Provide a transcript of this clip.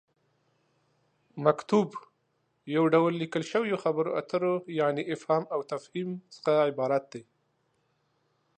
مکتوب: یو ډول ليکل شويو خبرو اترو یعنې فهام وتفهيم څخه عبارت دی